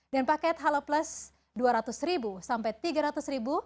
dan paket halo plus rp dua ratus sampai rp tiga ratus